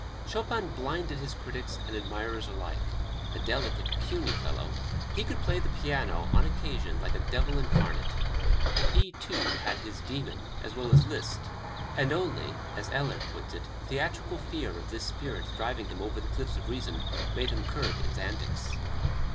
Chopin blinded his critics and admirers alike; a delicate, puny fellow, he could play the piano on occasion like a devil incarnate. He, too, had his demon as well as Liszt, and only, as Ehlert puts it, "theoretical fear" of this spirit driving him over the cliffs of reason made him curb its antics.